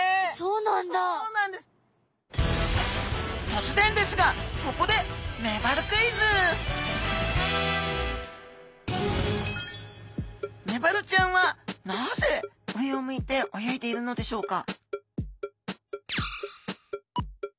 とつぜんですがここでメバルちゃんはなぜ上を向いて泳いでいるのでしょうか？